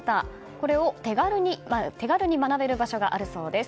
これを手軽に学べる場所があるそうです。